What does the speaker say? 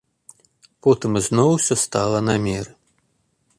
Потым ізноў усё стала на меры.